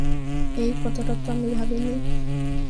এই কথাটা তো আমি ভাবিনি।